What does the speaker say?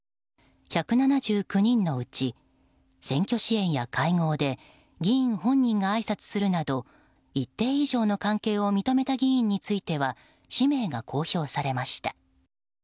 １７９人のうち選挙支援や会合で議員本人があいさつするなど一定以上の関係を認めた議員については氏名が公表されました。